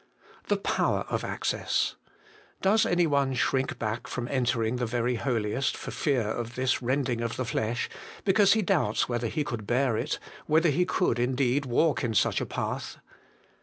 The power of access. Does any one shrink back from entering the very Holiest for fear of this rending of the flesh, because he doubts whether he could bear it, whether he could indeed walk in such a path